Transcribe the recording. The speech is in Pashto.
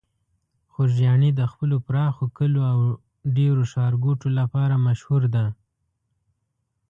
خوږیاڼي د خپلو پراخو کليو او ډیرو ښارګوټو لپاره مشهور ده.